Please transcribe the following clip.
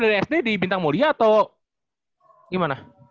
lu udah sd di bintang mulia atau gimana